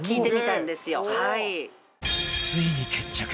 ついに決着